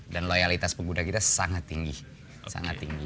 dan loyalitas pengguna kita sangat tinggi